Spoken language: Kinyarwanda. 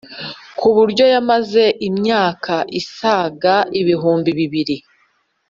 ku buryo yamaze imyaka isaga ibihumbi bibiri